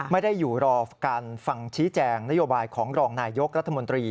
ไม่ได้อยู่รอการฟังชี้แจงนโยบายของรองนายยกรัฐมนตรี